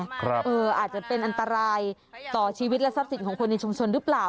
หรือว่าก็แบบเผื่ออาจจะเป็นอันตรายก่อชีวิตและทรัพย์ของคนในชมชนหรือเปล่า